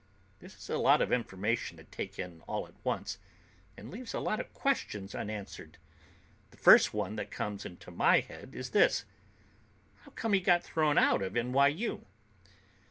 This is a lot of information to take in all at once and leaves a lot of questions unanswered. The first one that comes into my head is this: "How come he got thrown out of NYU?"